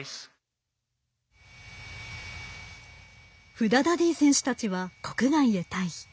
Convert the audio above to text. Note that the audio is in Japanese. フダダディ選手たちは国外へ退避。